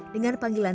ber sexting selaman